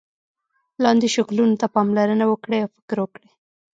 لاندې شکلونو ته پاملرنه وکړئ او فکر وکړئ.